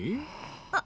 あっ。